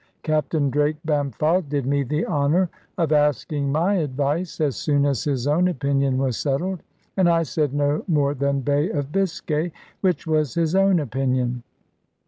Captain Drake Bampfylde did me the honour of asking my advice, as soon as his own opinion was settled; and I said no more than "Bay of Biscay," which was his own opinion.